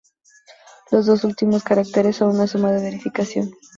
Los dos últimos caracteres son una suma de verificación.